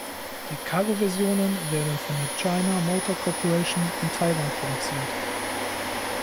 Die Cargo-Versionen werden von der China Motor Corporation in Taiwan produziert.